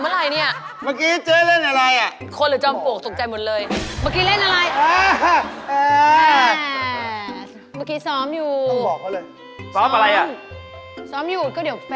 มึงไม่เห็นแล้วนั่งพูดอยู่คนเดียวอ่ะ